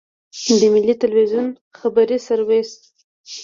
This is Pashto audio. د ملي ټلویزیون خبري سرویس.